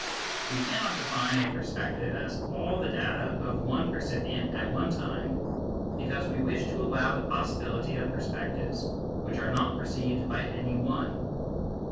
We cannot define a perspective as all the data of one percipient at one time, because we wish to allow the possibility of perspectives which are not perceived by any one.